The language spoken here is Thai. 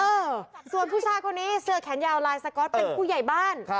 เออส่วนผู้ชายคนนี้เสื้อแขนยาวลายสก๊อตเป็นผู้ใหญ่บ้าน